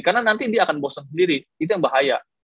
karena nanti dia akan bosen sendiri itu yang bahaya